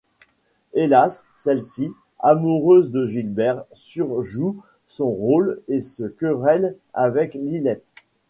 Hélas, celle-ci, amoureuse de Gilbert, surjoue son rôle et se querelle avec Lilette.